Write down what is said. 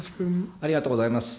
ありがとうございます。